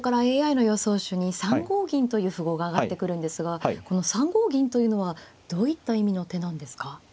手に３五銀という符号が挙がってくるんですがこの３五銀というのはどういった意味の手なんですか。